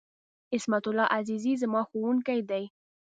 عصمت الله عزیزي ، زما ښوونکی دی.